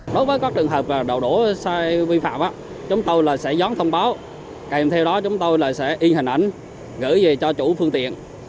đối với các trường hợp đầu đổ sai vi phạm chúng tôi sẽ dán thông báo kèm theo đó chúng tôi sẽ in hình ảnh gửi về cho chủ phương tiện